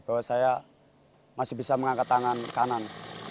bahwa saya masih bisa mengangkat tangan kanan